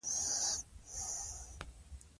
د پورونو مدیریت د دولت دنده ده.